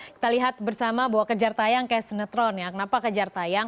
kita lihat bersama bahwa kejar tayang kayak sinetron ya kenapa kejar tayang